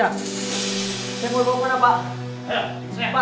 saya mau bawa ke mana pak